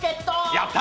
やった！